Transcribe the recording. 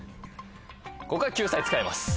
ここは救済使います。